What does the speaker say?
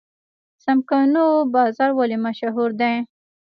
څمکنیو بازار ولې مشهور دی؟